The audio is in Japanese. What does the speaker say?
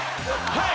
はい！